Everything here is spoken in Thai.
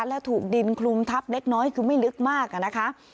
และถูกดินคลุมทับเล็กน้อยคือไม่ลึกมากอะนะคะ